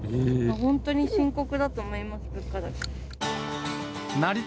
本当に深刻だと思います、物価高。